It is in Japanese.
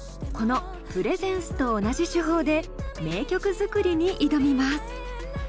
この「Ｐｒｅｓｅｎｃｅ」と同じ手法で名曲作りに挑みます。